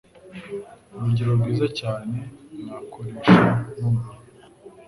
Urugero rwiza cyane nakoresha n'uru